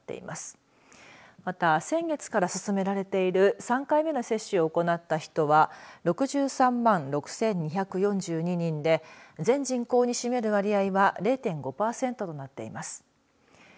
また、先月から進められている３回目の接種を行った人は６３万６２４２人で全人口に占める割合は０．５パーセントとなっています。